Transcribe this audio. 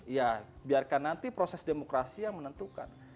ya biarkan nanti proses demokrasi yang menentukan